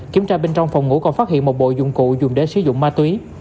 kiểm tra bên trong phòng ngủ còn phát hiện một bộ dụng cụ dùng để sử dụng ma túy